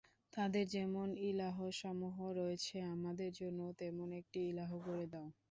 তাদের যেমন ইলাহসমূহ রয়েছে আমাদের জন্যেও তেমন একটি ইলাহ্ গড়ে দাও।